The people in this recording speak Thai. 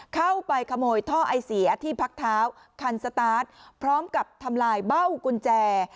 เข้าไปขโมยท่อไอเสียที่พักเท้าคันสตาร์ทพร้อมกับทำลายเบ้ากุญแจ